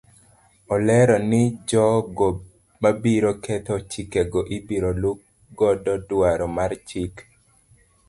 Olero ni jogo mabiro ketho chikego ibiro luu godo dwaro mar chik.